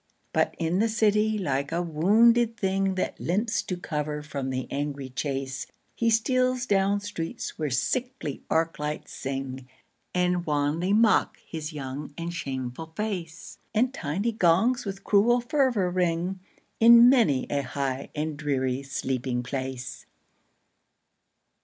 But in the city, like a wounded thing That limps to cover from the angry chase, He steals down streets where sickly arc lights sing, And wanly mock his young and shameful face; And tiny gongs with cruel fervor ring In many a high and dreary sleeping place.